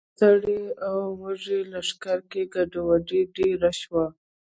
په ستړي او وږي لښکر کې ګډوډي ډېره شوه.